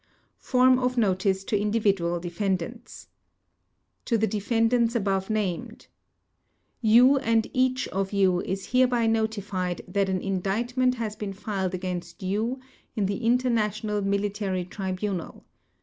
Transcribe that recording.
Form of Notice to Individual Defendants To the Defendants above named: You and each of you is hereby notified that an indictment has been filed against you in the International Military Tribunal.